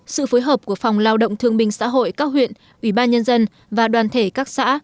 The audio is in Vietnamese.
sự phối hợp của phòng lao động thương minh xã hội các huyện ủy ban nhân dân và đoàn thể các xã